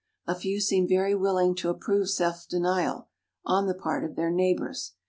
A few seem very willing to approve self denial on the part of their neighbors.